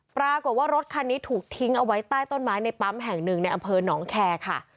ปรากฏว่ารถคันนี้ถูกทิ้งเอาไว้ใต้ต้นไม้ในปั๊มแห่งหนึ่งในอำเภอหนองแคร์ค่ะ